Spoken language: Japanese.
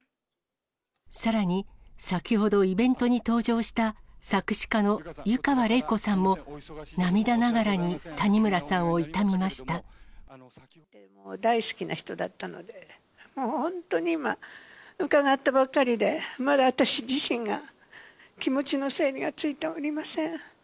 さらに、先ほどイベントに登場した、作詞家の湯川れい子さんも、大好きな人だったので、もう本当に今、伺ったばっかりで、まだ私自身が気持ちの整理がついておりません。